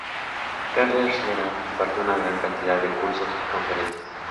Carles Riera impartió una gran cantidad de cursos y conferencias.